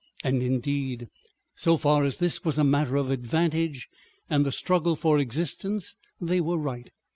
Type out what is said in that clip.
And indeed, so far as this was a matter of advantage and the struggle for existence, they were right.